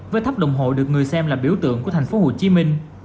với tháp đồng hồ được người xem là biểu tượng của thành phố hồ chí minh